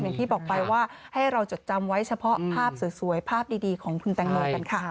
อย่างที่บอกไปว่าให้เราจดจำไว้เฉพาะภาพสวยภาพดีของคุณแตงโมกันค่ะ